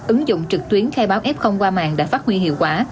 ứng dụng trực tuyến khai báo f qua mạng đã phát huy hiệu quả